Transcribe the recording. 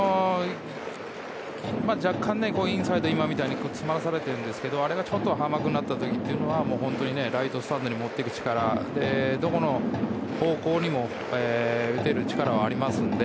若干、インサイド今みたいに詰まらされてるんですがあれがちょっと甘くなった時は本当にライトスタンドに持っていく力がありますしどこの方向にも打てる力があるので